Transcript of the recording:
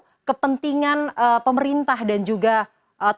iya kalau kepentingan pemerintah kan salah satu